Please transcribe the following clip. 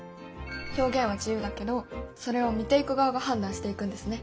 表現は自由だけどそれを見ていく側が判断していくんですね。